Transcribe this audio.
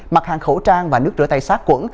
mặt hàng khẩu trang và nước rửa tay sát quẩn